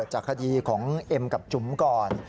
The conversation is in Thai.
จากคดีของเอ็มกับจุ๋มก่อน